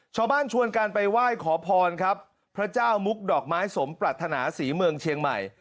ชวนกันไปไหว้ขอพรครับพระเจ้ามุกดอกไม้สมปรัฐนาศรีเมืองเชียงใหม่